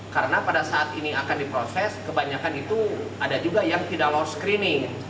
karena pada saat ini akan diproses kebanyakan itu ada juga yang tidak low screening